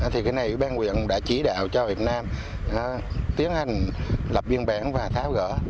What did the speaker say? thì cái này ban quyền đã chỉ đạo cho hòa hiệp nam tiến hành lập viên bản và tháo gỡ